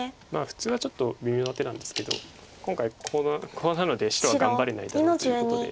普通はちょっと微妙な手なんですけど今回コウなので白は頑張れないだろうということで。